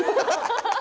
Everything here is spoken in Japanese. ハハハハ！